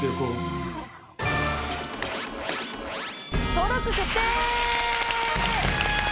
登録決定！